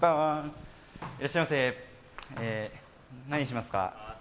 何にしますか？